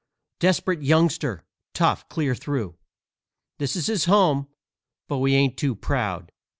Desperate youngster, tough clear through! This is his home, but we ain't too proud.